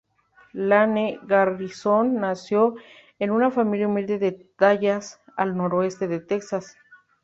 Lane Garrison nació en una familia humilde de Dallas, al noreste de Texas.